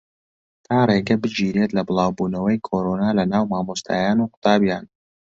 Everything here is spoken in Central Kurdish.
تا ڕێگە بگیرێت لە بڵاوبوونەوەی کۆرۆنا لەناو مامۆستایان و قوتابییان